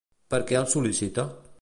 Per què el sol·licita?